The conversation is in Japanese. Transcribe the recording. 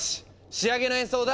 仕上げの演奏だ！